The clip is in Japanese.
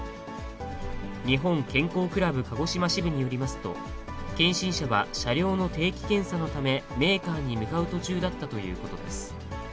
日本健康倶楽部鹿児島支部によりますと、検診車は車両の定期検査のため、メーカーに向かう途中だったということです。